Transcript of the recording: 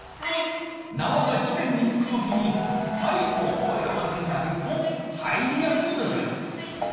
なわが地面に着く時に「はい！」と声をかけてあげると入りやすいのじゃ。